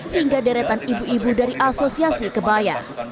hingga deretan ibu ibu dari asosiasi kebaya